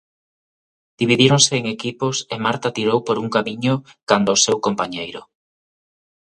Dividíronse en equipos e Marta tirou por un camiño canda o seu compañeiro.